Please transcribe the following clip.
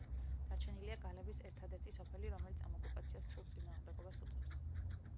დარჩენილია გალების ერთად-ერთი სოფელი, რომელიც ამ ოკუპაციას სრულ წინააღმდეგობას უწევს.